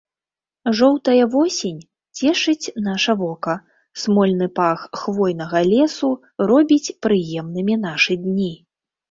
Жоўтая восень цешыць наша вока, смольны пах хвойнага лесу робіць прыемнымі нашы дні.